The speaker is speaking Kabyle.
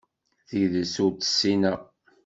Tidet ur tt-ssineɣ.